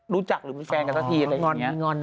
รู้จักหรือมีแฟนกันสักทีอะไรอย่างนี้